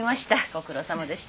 ご苦労さまでした。